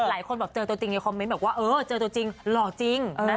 หลายคนแบบเจอตัวจริงในคอมเมนต์บอกว่าเออเจอตัวจริงหล่อจริง